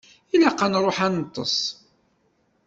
Ilaq ad nṛuḥ ad neṭṭeṣ.